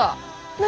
何？